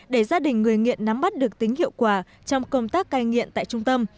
để gia đình người nghiện nắm bắt được tính hiệu quả trong công tác cai nghiện tại trung tâm